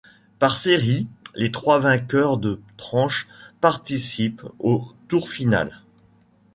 Par série, les trois vainqueurs de tranche participent au tour final.